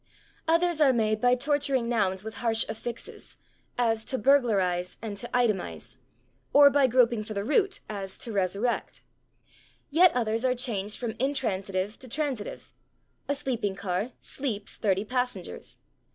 Others are made by torturing nouns with harsh affixes, as /to burglarize/ and /to itemize/, or by groping for the root, as /to resurrect/. Yet others are changed from intransitive to transitive: a sleeping car /sleeps/ thirty passengers.